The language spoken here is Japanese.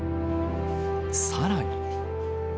さらに。